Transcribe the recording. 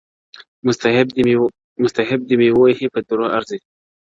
محتسب مي دي وهي په دُرو ارزي,